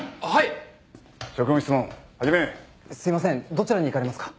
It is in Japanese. どちらに行かれますか？